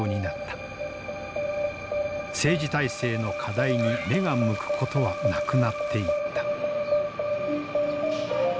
政治体制の課題に目が向くことはなくなっていった。